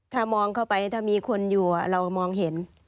ถ้ามองเข้าไปถ้ามีคนอยู่เรามองเห็น